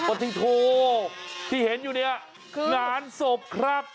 ตัวทิศทูที่เห็นอยู่นี่งานศพครับ